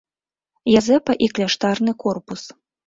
Язэпа і кляштарны корпус.